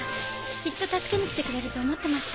きっと助けに来てくれると思ってました。